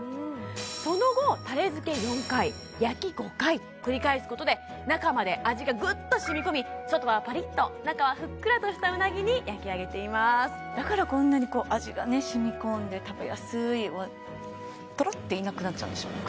その後タレ漬け４回焼き５回と繰り返すことで中まで味がぐっとしみ込み外はパリッと中はふっくらとしたうなぎに焼き上げていますだからこんなに味がねしみ込んで食べやすいとろっていなくなっちゃうんでしょうね